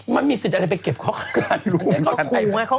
มันมีสิทธิ์อะไรไปเก็บเค้ากัน